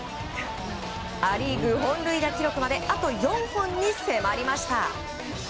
ア・リーグ本塁打記録まであと４本に迫りました。